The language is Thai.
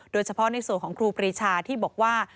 โดยเฉพาะในส่วนของครูปรีชาที่บอกว่า